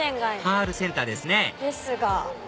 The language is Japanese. パールセンターですねですが。